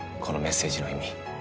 このメッセージの意味。